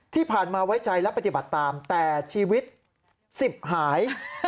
ที่ผ่านมาไว้ใจและปฏิบัติตามแต่ชีวิต๑๐หาย